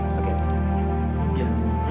terima kasih dok